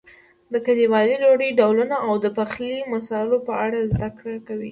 د کلیوالي ډوډۍ ډولونو او د پخلي مسالو په اړه زده کړئ.